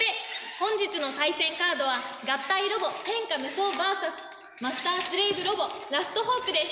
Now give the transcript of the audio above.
本日の対戦カードは合体ロボ天下無双バーサスマスタースレーブロボラストホークです！